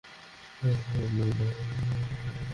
আপনি তো কানেই নিচ্ছেন না।